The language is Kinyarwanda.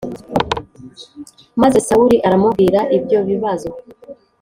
maze sawuli aramubwira ibyo bibazo